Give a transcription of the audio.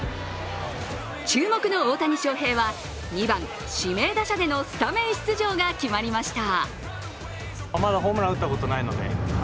注目の大谷翔平は２番・指名打者でのスタメン出場が決まりました。